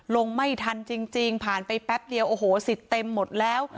ลงไม่ทันจริงผ่านไปแป๊บเดียวโอ้โหสิทธิ์เต็มหมดแล้ว